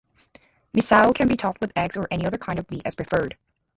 Misao can be topped with eggs or any other kind of meat as preferred.